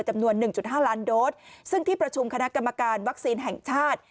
จำนวน๑๕ล้านโดสซึ่งที่ประชุมคณะกรรมการวัคซีนแห่งชาติ